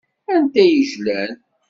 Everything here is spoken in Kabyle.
Anta i yejlan?